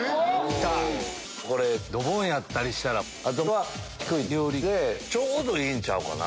これドボンやったりしたらあとは低い料理でちょうどいいんちゃうかな。